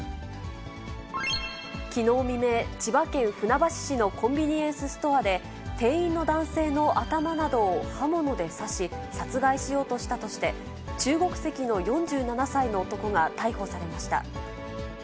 きのう未明、千葉県船橋市のコンビニエンスストアで、店員の男性の頭などを刃物で刺し、殺害しようとしたとして、中国籍の４７歳の男が逮捕されました。